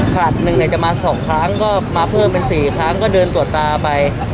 ขลัดหนึ่งเนี้ยจะมาสองครั้งก็มาเพิ่มเป็นสี่ครั้งก็เดินตรวจตาไป